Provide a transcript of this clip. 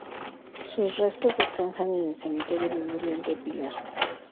Sus restos descansan en el cementerio Memorial de Pilar.